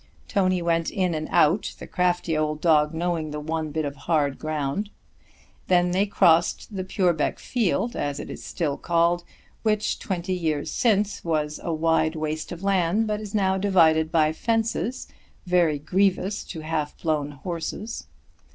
Tony went in and out, the crafty old dog knowing the one bit of hard ground. Then they crossed Purbeck field, as it is still called which, twenty years since was a wide waste of land, but is now divided by new fences, very grievous to half blown horses.